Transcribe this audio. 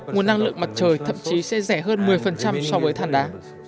nguồn năng lượng mặt trời thậm chí sẽ rẻ hơn một mươi so với than đá